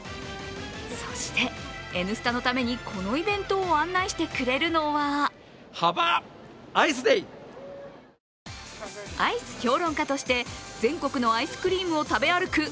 そして「Ｎスタ」のために、このイベントを案内してくれるのはアイス評論家として全国のアイスクリームを食べ歩く